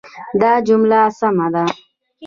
دا جمله سمه ده.